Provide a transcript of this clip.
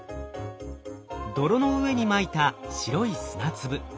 泥の上にまいた白い砂粒。